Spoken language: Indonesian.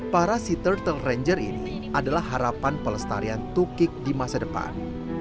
para sea turtle ranger ini adalah harapan pelestarian tukik di masa depan